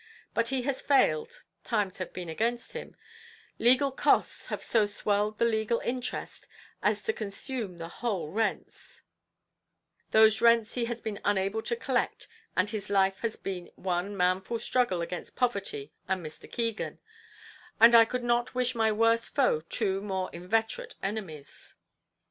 But he has failed times have been against him legal costs have so swelled the legal interest as to consume the whole rents those rents he has been unable to collect, and his life has been one manful struggle against poverty and Mr. Keegan; and I could not wish my worst foe two more inveterate enemies.